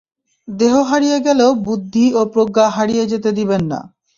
দেহ হারিয়ে গেলেও বুদ্ধি এবং প্রজ্ঞা হারিয়ে যেতে দিবেন না।